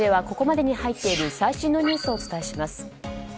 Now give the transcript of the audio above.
ここまでに入っている最新のニュースをお伝えします。